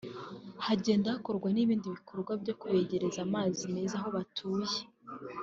hagenda hakorwa n’ibindi bikorwa byo kubegereza amazi meza aho batuye